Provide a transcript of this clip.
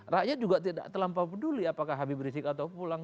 rakyat juga tidak terlampau peduli apakah habib rizik atau pulang